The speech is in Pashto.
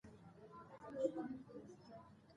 یورانیم د افغانستان د طبیعي پدیدو یو رنګ دی.